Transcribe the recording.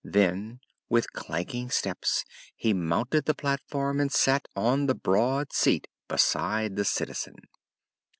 Then with clanking steps he mounted the platform and sat on the broad seat beside the Citizen.